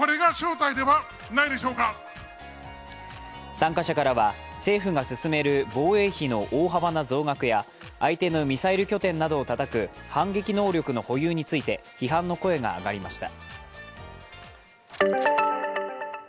参加者からは政府が進める防衛費の大幅な増額や相手のミサイル拠点などをたたく反撃能力の保有について批判の声が上がりました。